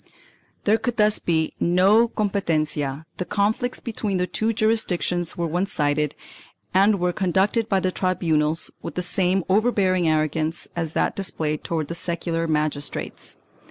1 There could thus be no competencia; the conflicts between the two jurisdictions were one sided and were conducted by the tribunals with the same overbearing arrogance as that displayed towards secular magistrates.